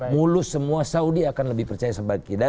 mulus semua saudi akan lebih percaya sama kita